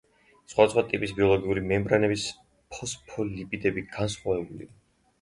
სხვადასხვა ტიპის ბიოლოგიური მემბრანების ფოსფოლიპიდები განსხვავებულია.